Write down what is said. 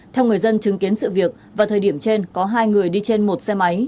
theo người dân chứng kiến sự việc vào thời điểm trên có hai người đi trên một xe máy